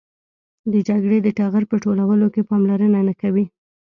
د جګړې د ټغر په ټولولو کې پاملرنه نه کوي.